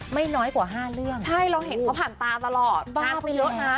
ไม่น้อยกว่า๕เรื่องโอ้โหบ้าไปเยอะนะใช่เราเห็นเขาผ่านตาตลอด